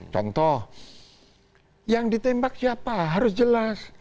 contoh yang ditembak siapa harus jelas